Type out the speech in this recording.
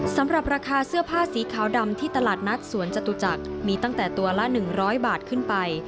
สำหรับราคาเสื้อผ้าสีขาวดำที่ตลาดนัดสวนจตุจักรมีตั้งแต่ตัวละ๑๐๐บาทขึ้นไป